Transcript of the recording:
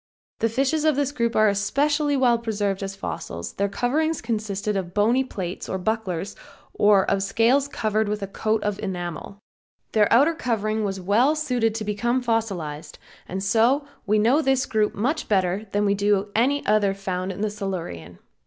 The fishes of this group are especially well preserved as fossils, their covering consisted of bony plates or bucklers or of scales covered with a coat of enamel. Their outer covering was well suited to become fossilized, and so we know this group much better than we do any other found in the Silurian.